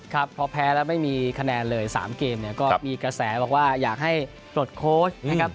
ครับพอแพ้แล้วไม่มีคะแนนเลย๓เกมเนี่ยก็มีกระแสบอกว่าอยากให้ปลดโค้ชนะครับ